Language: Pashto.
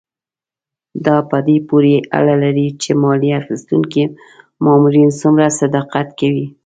دا په دې پورې اړه لري چې مالیه اخیستونکي مامورین څومره صداقت کوي.